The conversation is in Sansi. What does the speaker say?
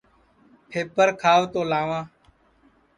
پھپر کھاو تو لاواں